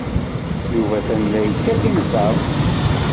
Yuba atan la yekkat imẓad.